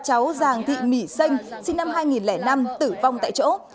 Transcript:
cháu giàng thị mỹ xanh sinh năm hai nghìn năm tử vong tại chỗ